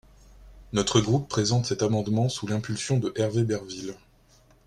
Notre groupe présente cet amendement sous l’impulsion de Hervé Berville.